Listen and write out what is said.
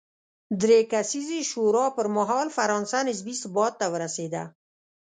درې کسیزې شورا پر مهال فرانسه نسبي ثبات ته ورسېده.